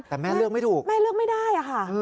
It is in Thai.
แต่แม่เลือกไม่ถูกแม่เลือกไม่ได้ค่ะ